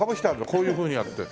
こういうふうにやって。